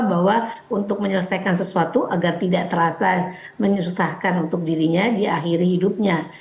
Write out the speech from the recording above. bahwa untuk menyelesaikan sesuatu agar tidak terasa menyusahkan untuk dirinya diakhiri hidupnya